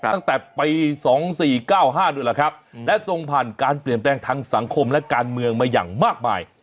ตั้งแต่ปี๒๔๙๕ด้วยแหละครับและทรงผ่านการเปลี่ยนแปลงทางสังคมและการเมืองมาอย่างมากมาย